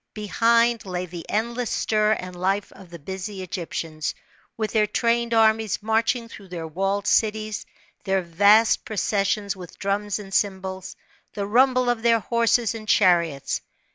Behind, lay the endless stir and life of the busy Egyptians, with their trained armies marching through their walled cities, their vast processions with drums and cymbals, the rumble of their horses and chariots.